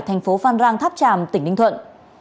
thành phố phan rang tháp tràm tỉnh ninh thuận